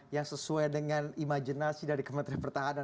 yang sesuai dengan imajinasi dari kementerian pertahanan